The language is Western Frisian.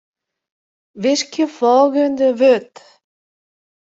Wiskje folgjende wurd.